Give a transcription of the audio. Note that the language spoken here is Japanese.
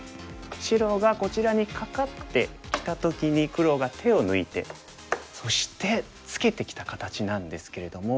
白がこちらにカカってきた時に黒が手を抜いてそしてツケてきた形なんですけれども。